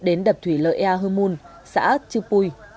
đến đập thủy lợi ea humun xã chư pui